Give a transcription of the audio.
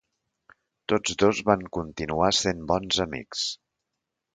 Tots dos van continuar sent bons amics.